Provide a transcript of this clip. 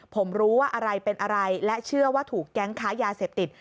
ผมรู้ว่าอะไรเป็นอะไรและเชื่อว่าถูกแก๊งค้ายาเสพติด